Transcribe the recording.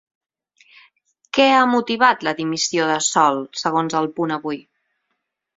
Què ha motivat la dimissió de Sol segons El Punt Avui?